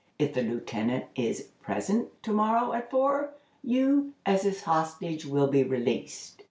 If the lieutenant is present to morrow at four, you, as his hostage, will be released.